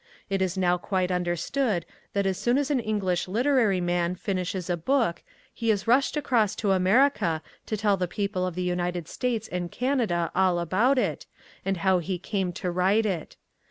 It is now quite understood that as soon as an English literary man finishes a book he is rushed across to America to tell the people of the United States and Canada all about it, and how he came to write it.